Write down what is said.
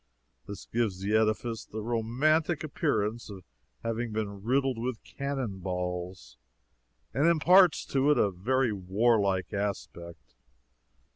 This gives the edifice the romantic appearance of having been riddled with cannon balls, and imparts to it a very warlike aspect.